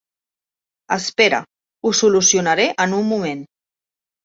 Espera; ho solucionaré en un moment.